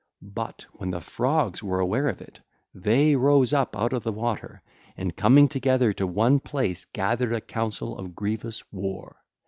But when the Frogs were aware of it, they rose up out of the water and coming together to one place gathered a council of grievous war.